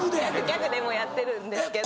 ギャグでやってるんですけど。